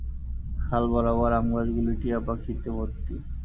খাল বরাবর আমগাছগুলি টিয়াপাখিতে ভরতি।